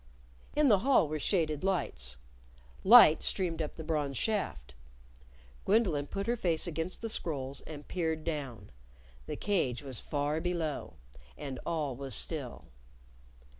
In the hall were shaded lights. Light streamed up the bronze shaft. Gwendolyn put her face against the scrolls and peered down. The cage was far below. And all was still.